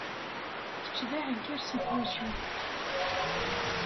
Kečč d aɛeggal seg twacult.